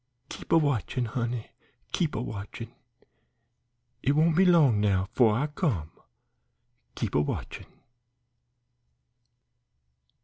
Keep a watchin', honey keep a watchin' It won't be long now 'fore I come. Keep a watchin'."